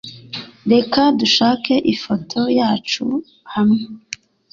Reka dushake ifoto yacu hamwe